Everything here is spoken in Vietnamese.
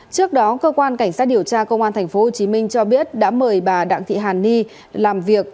trước đó cơ quan cảnh sát điều tra công an tp hcm cho biết đã mời bà đặng thị hàn ni làm việc